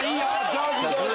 上手上手！